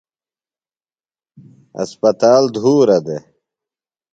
اسپتال دُھورہ دےۡ۔